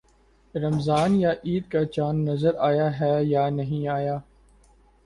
رمضان یا عید کا چاند نظر آیا ہے یا نہیں آیا؟